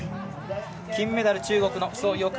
金メダル、中国の蘇翊鳴。